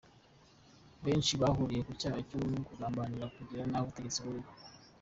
Benshi bahuriye ku cyaha cyo kugambirira kugirira nabi ubutegetsi buriho.